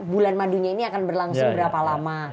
bulan madunya ini akan berlangsung berapa lama